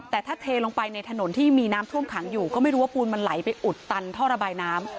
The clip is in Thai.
แต่ถ้าเทลงไปในถนนที่มีน้ำท่วมขังอยู่ก็ไม่รู้ว่าปูนมันไหลไปอุดตันท่อระบายน้ำ